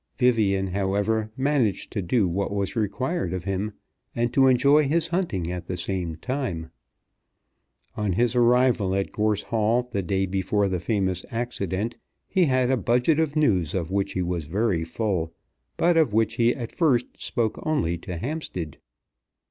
Vivian, however, managed to do what was required of him, and to enjoy his hunting at the same time. On his arrival at Gorse Hall the day before the famous accident he had a budget of news of which he was very full, but of which he at first spoke only to Hampstead.